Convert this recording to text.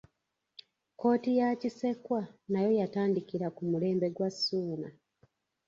Kkooti ya Kisekwa nayo yatandikira ku mulembe gwa Ssuuna.